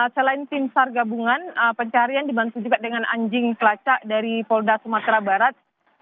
selain tim sar gabungan pencarian dibantu juga dengan anjing pelacak dari polda sumatera barat